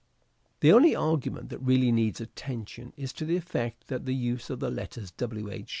The only argument that really needs attention is to the effect that the use of the letters W. H.